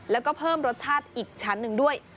แล้วก็เพิ่มรสชาติอีกชั้นหนึ่งด้วย